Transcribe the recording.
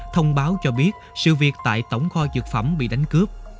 thông báo cho biết sự việc tại tổng kho dược phẩm bị đánh cướp